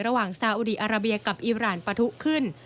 ระหว่างสาหุดีอาราเบียกับอิราณปทุขึ้น